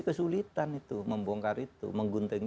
kesulitan itu membongkar itu menggunting